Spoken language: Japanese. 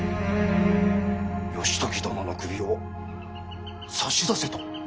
義時殿の首を差し出せと。